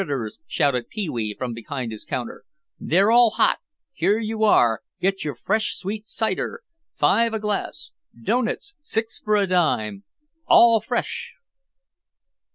] "Hot frankfurters," shouted Pee wee from behind his counter. "They're all hot! Here you are! Get your fresh sweet cider! Five a glass! Doughnuts six for a dime! All fresh!"